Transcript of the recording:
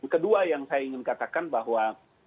kedua yang saya ingin katakan bahwa